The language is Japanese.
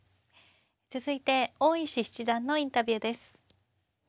続いて大石七段のインタビューです。